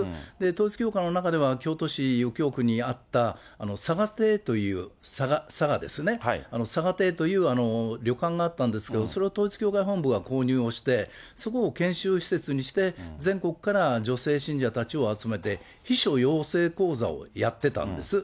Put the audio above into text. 統一教会の中では京都市右京区にあったさがていという、さがですね、さがていという旅館があったんですけど、それを統一教会本部が購入をして、そこを研修施設にして、全国から女性信者たちを集めて、秘書養成講座をやってたんです。